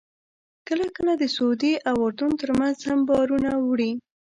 کله کله د سعودي او اردن ترمنځ هم بارونه وړي.